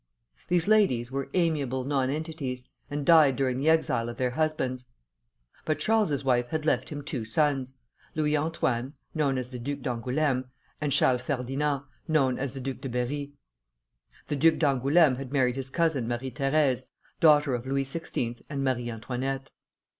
These ladies were amiable nonentities, and died during the exile of their husbands; but Charles's wife had left him two sons, Louis Antoine, known as the Duc d'Angoulême, and Charles Ferdinand, known as the Duc de Berri. The Duc d'Angoulême had married his cousin Marie Thérèse, daughter of Louis XVI. and Marie Antoinette.